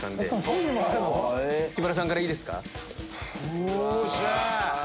よっしゃ！